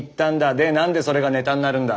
でなんでそれがネタになるんだ？